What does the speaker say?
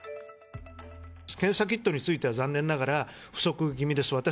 検査キットについては、残念ながら不足気味です。